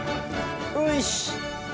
よし！